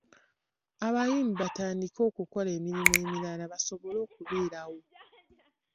Abayimbi batandike okukola emirimu emirala basobole okubeerawo.